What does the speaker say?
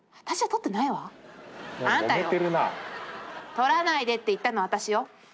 「取らないでって言ったのはあたしよ！」。